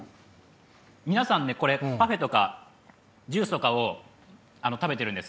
皆さんこれ、パフェとかジュースとかを食べているんです。